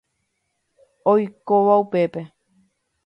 Oikóva upépe.